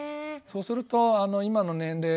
そうするとあの今の年齢。